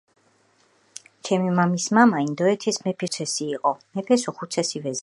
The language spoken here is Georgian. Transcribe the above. ჩემი მამის მამა ინდოეთის მეფის ხუთ ვეზირთა შორის უხუცესი იყო. მეფეს უხუცესი ვეზირი